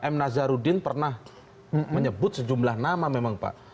m nazarudin pernah menyebut sejumlah nama memang pak